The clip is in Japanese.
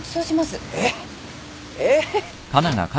えっえっえ。